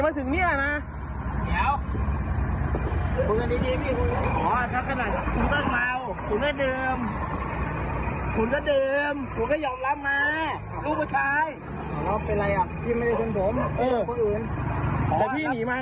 อันนี้ผมเข้าใจว่า